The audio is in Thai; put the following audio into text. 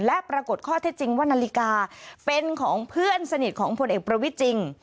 และปรากฏข้อเท็จจริงว่านาฬิกาเป็นของเพื่อนสนิทของพลเอกประวิทย์จริง